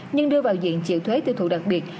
nhưng đưa vào diện chịu thuế tiêu thụ đặc biệt